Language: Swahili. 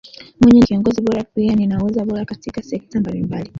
Mwinyi ni kiongozi bora pia ni nahodha bora katika sekta mbalimbali